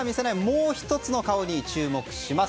もう１つの顔に注目します。